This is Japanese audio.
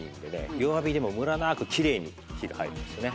弱火でもムラなくきれいに火が入るんですね。